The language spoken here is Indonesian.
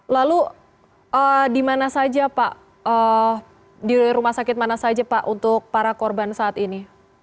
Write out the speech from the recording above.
lalu di rumah sakit mana saja pak untuk para korban saat ini